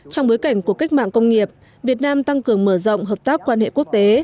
trong bối cảnh của cách mạng công nghiệp việt nam tăng cường mở rộng hợp tác quan hệ quốc tế